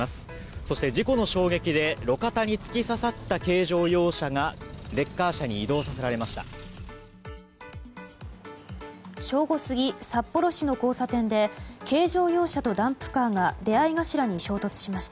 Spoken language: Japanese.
そして、事故の衝撃で路肩に突き刺さった軽乗用車がレッカー車に移動させられました。